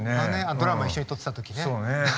ドラマ一緒に撮ってたときね。